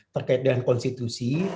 terkait dengan konstitusi